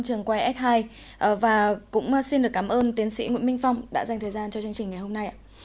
vâng xin cảm ơn trường quay s hai và cũng xin được cảm ơn tiến sĩ nguyễn minh phong đã dành thời gian cho chương trình ngày hôm nay